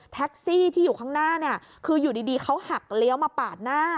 แท็กซี่ที่อยู่ข้างหน้าเนี่ยคืออยู่ดีเขาหักเลี้ยวมาปาดหน้า